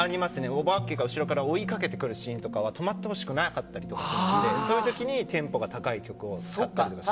お化けが後ろから追いかけてくるシーンとかは止まってほしくなかったりするのでそういう時にテンポが高い曲を使ったりします。